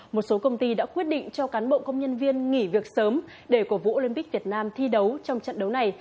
một số công ty đã quyết định cho cán bộ công nhân viên nghỉ việc sớm để cổ vũ olympic việt nam thi đấu trong trận đấu này